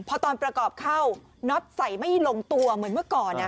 พอตอนประกอบเข้าน็อตใส่ไม่ลงตัวเหมือนเมื่อก่อน